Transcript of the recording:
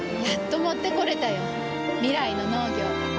やっと持ってこれたよ。未来の農業。